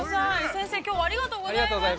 先生、きょうはありがとうございました。